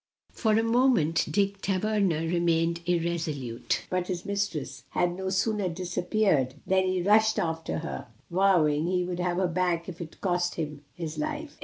For a moment Dick Tayerner remained irresolute; but his mistress had no sooner disappeared, than he rushed after her, vowing he would have her back if it cost him his life.